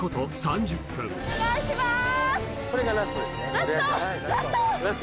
お願いしまーす！